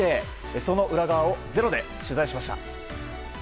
その裏側を「ｚｅｒｏ」で取材しました。